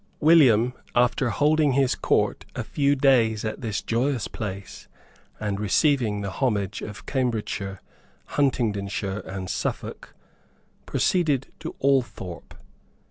William, after holding his court a few days at this joyous place, and receiving the homage of Cambridgeshire, Huntingdonshire and Suffolk, proceeded to Althorpe.